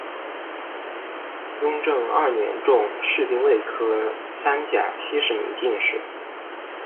雍正二年中式丁未科三甲七十名进士。